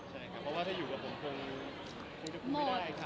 ใช่ครับเพราะว่าถ้าอยู่กับผมคงจะพูดไม่ได้ครับ